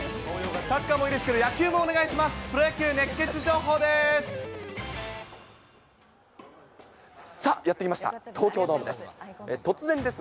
サッカーもいいですけど、野球もお願いします。